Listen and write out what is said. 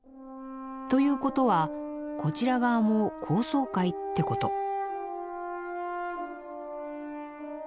ということはこちら側も高層階ってこと。